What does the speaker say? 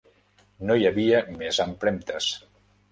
No hi havia més empremtes.